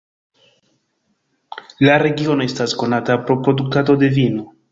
La regiono estas konata pro produktado de vino.